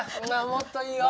もっといいよ。